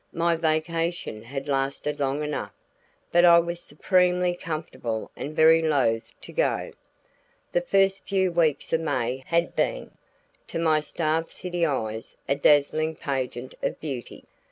My vacation had lasted long enough, but I was supremely comfortable and very loath to go. The first few weeks of May had been, to my starved city eyes, a dazzling pageant of beauty.